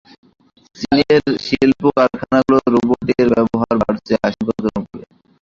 চীনের শিল্প কারখানাগুলোতে রোবটের ব্যবহার বাড়ছে আশংকাজনক ভাবে।